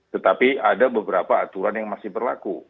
tetapi ada beberapa aturan yang masih berlaku